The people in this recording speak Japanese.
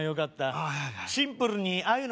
はい